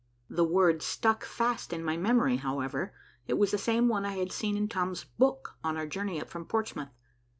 The word stuck fast in my memory, however. It was the same one I had seen in Tom's book on our journey up from Portsmouth.